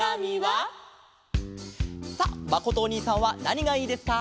さあまことおにいさんはなにがいいですか？